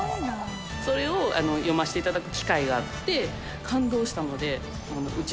それを読ませて頂く機会があって感動したのでうち